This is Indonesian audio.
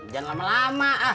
jangan lama lama